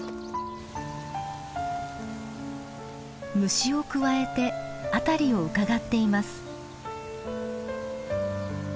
虫をくわえて辺りをうかがっています。